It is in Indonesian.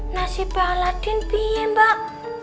nasibah aladin pilih mbak